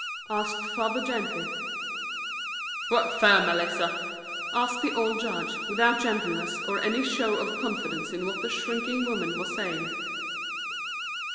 asked father gently. "What fer, Melissa?" asked the old judge, without gentleness or any show of confidence in what the shrinking woman was saying.